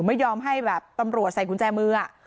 ไม่ยอมให้แบบตำรวจใส่กุญแจมือ